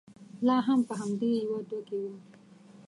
لا هم په همدې يوه دوه کې ووم.